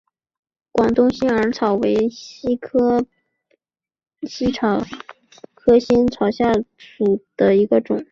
广东新耳草为茜草科新耳草属下的一个种。